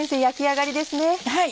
焼き上がりですね。